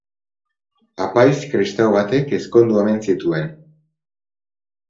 Apaiz kristau batek ezkondu omen zituen.